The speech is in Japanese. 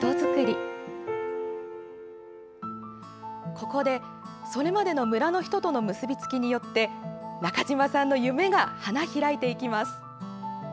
ここで、それまでの村の人との結びつきによって中島さんの夢が花開いていきます。